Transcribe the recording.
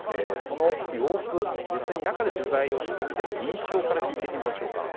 その様子実際に中で取材をしての印象から聞いてみましょうか。